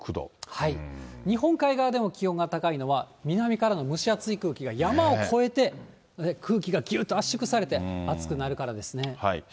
日本海側でも気温が高いのは、南からの蒸しあつい空気が山を越えて空気がぎゅっと圧縮されて暑くなるからですね。